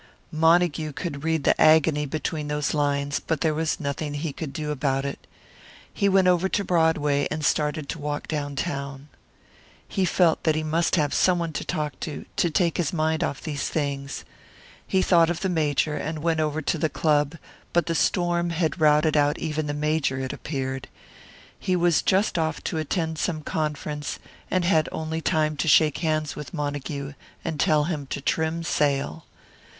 Montague could read the agony between those lines; but there was nothing he could do about it. He went over to Broadway, and started to walk down town. He felt that he must have someone to talk to, to take his mind off these things. He thought of the Major, and went over to the club, but the storm had routed out even the Major, it appeared. He was just off to attend some conference, and had only time to shake hands with Montague, and tell him to "trim sail."